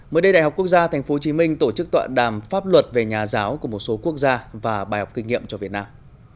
mới đây đại học quốc gia tp hcm tổ chức tọa đàm pháp luật về nhà giáo của một số quốc gia và bài học kinh nghiệm cho việt nam